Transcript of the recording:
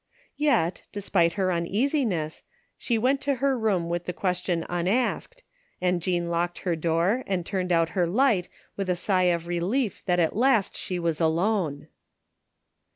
Yet, de spite her uneasiness, she went to her room with the question unasked, and Jean locked her door and turned 203 THE FINDING OF JASPER HOLT out her light with a sigh of relief tliat at last she was alone.